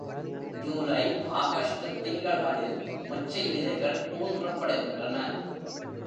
ஜூலை ஆகஸ்டுத் திங்கள்களில் மொச்சை விதைகள் ஊன்றப்படுகின்றன.